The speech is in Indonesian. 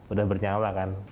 udah bernyawa kan